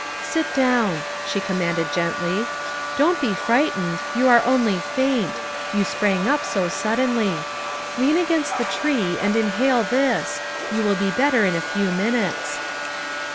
"Sit down," she commanded gently. " Don't be frightened, you are only faint; you sprang up too suddenly. Lean against the tree, and inhale this; you will he better in a few minutes.